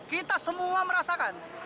kita semua merasakan